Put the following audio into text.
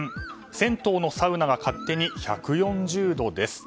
銭湯のサウナが勝手に１４０度です。